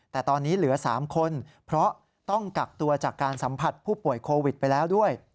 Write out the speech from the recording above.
แต่ตอนนี้เหลือ๓คนเพราะต้องกักตัวจากการสัมผัสผู้ป่วยโควิดไปแล้วด้วย